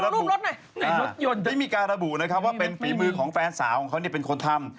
ไม่มีการระบุว่าเป็นฝีมือของแฟนสาวเค้าคนนี่เป็นคนทำ